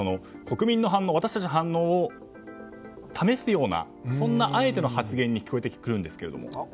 私たちの反応を試すようなそんなあえての発言に聞こえてくるんですけども。